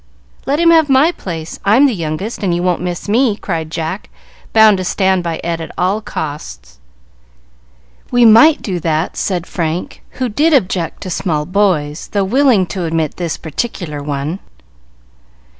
"Let him have my place; I'm the youngest, and you won't miss me," cried Jack, bound to stand by Ed at all costs. "We might do that," said Frank, who did object to small boys, though willing to admit this particular one.